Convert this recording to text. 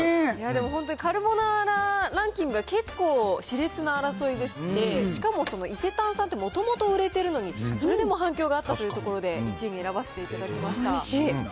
本当にカルボナーラランキングは結構しれつな争いでして、しかも伊勢丹さんってもともと売れてるのに、それでも反響があったということで、１位に選ばせていただきましおいしい。